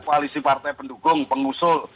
koalisi partai pendukung pengusul